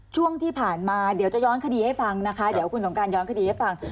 ช่วงที่ผ่านมาเดี๋ยวจะย้อนคดีให้ฟังนะคะเดี๋ยวคุณสงการย้อนคดีให้ฟัง